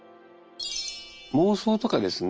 妄想とかですね